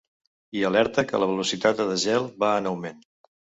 I alerta que la velocitat de desgel va en augment.